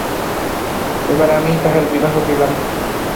এবার আমিই তাঁহার বিবাহ দিলাম।